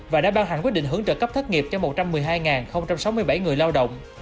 và đã ban hành quyết định hưởng trợ cấp thất nghiệp cho một trăm một mươi hai sáu mươi bảy người lao động